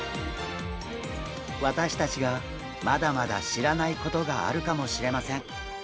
私たちがまだまだ知らないことがあるかもしれません。